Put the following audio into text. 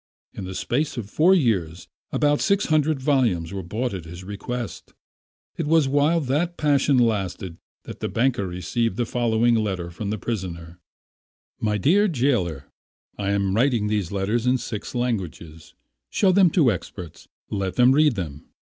In the space of four years about six hundred volumes were bought at his request. It was while that passion lasted that the banker received the following letter from the prisoner: "My dear gaoler, I am writing these lines in six languages. Show them to experts. Let them read them.